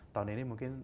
tahun ini mungkin